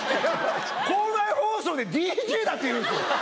校内放送でＤＪなんて言うんですよ。